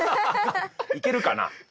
いけるかな？